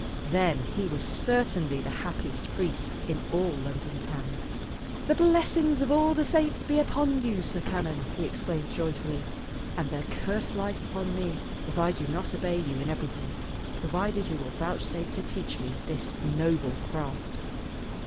Then he was certainly the happiest priest in all London town. "The blessings of all the saints be upon you, sir canon," he exclaimed joyfully, "and their curse light upon me if I do not obey you in everything, provided you will vouchsafe to teach me this noble craft."